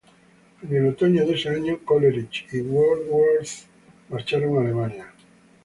En el otoño de ese año Coleridge y Wordsworth marcharon a Alemania.